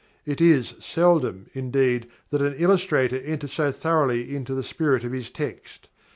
It is seldom, indeed, that an illustrator enters so thoroughly into the spirit of his text.